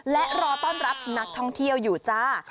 และรอต้อนรับนักท่องเที่ยวอยู่จ้า